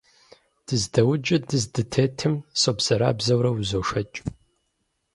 Дыздэуджу дыздытетым собзэрабзэурэ узошэкӀ.